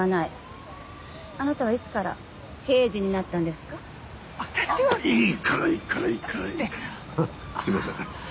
すいません。